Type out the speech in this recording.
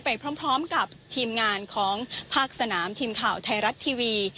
ไปพร้อมกับทีมงานของภาคสนามทีมข่าวไทยรัฐทีวี